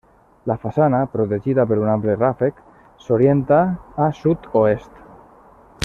La façana, protegida per un ample ràfec, s'orienta a sud-oest.